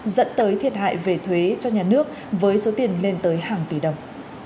dẫn tới thiệt hại về thuế cho nhà nước với số tiền lên tới hàng tỷ đồng